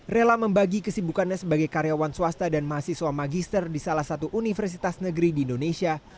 rela membagi kesibukannya sebagai karyawan swasta dan mahasiswa magister di salah satu universitas negeri di indonesia